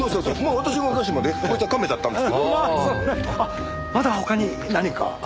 あっまだ他に何か？